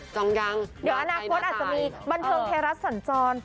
จ้องยังล่ะประไตนาคตอาสมีบนเทอร์มเทอร์รัสสันจร